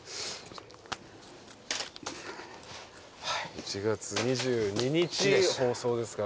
１月２２日放送ですから。